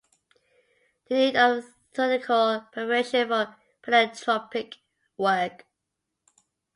"The Need of Theoretical Preparation for Philanthropic Work".